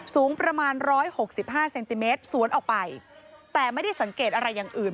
สูงประมาณ๑๖๕เซนติเมตรสวนออกไปแต่ไม่ได้สังเกตอะไรอย่างอื่น